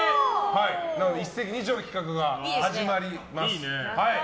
一石二鳥の企画が始まります。